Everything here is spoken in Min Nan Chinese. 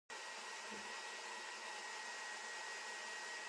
食飯皇帝大